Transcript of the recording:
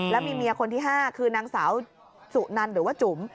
แล้วมีเมียคนที่๕คือนางสาวสุนันหรือว่าจุ๋ม